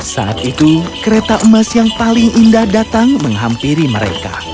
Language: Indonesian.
saat itu kereta emas yang paling indah datang menghampiri mereka